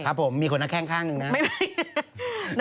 ผมมีคนหน้าแข้งข้างหนึ่งนะ